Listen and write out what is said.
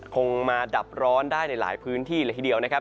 คงมาดับร้อนได้ในหลายพื้นที่เลยทีเดียวนะครับ